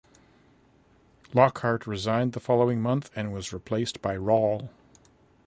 Lockhart resigned the following month and was replaced by Rawle.